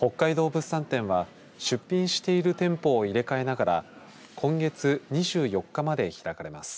物産展は出品している店舗を入れ替えながら今月２４日まで開かれます。